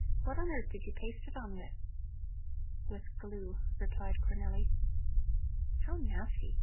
What on earth did you paste it on with?" "With glue," replied Cornelli. "How nasty!